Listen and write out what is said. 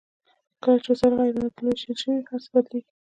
کله چې وسایل غیر عادلانه ویشل شوي وي هرڅه بدلیږي.